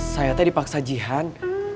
ternyata dipaksa jihan